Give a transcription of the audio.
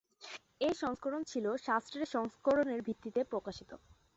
এই সংস্করণ ছিল শাস্ত্রের সংস্করণের ভিত্তিতে প্রকাশিত।